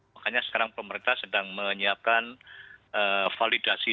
makanya sekarang pemerintah sedang menyiapkan validasi